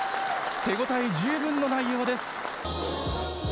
手応え十分の内容です。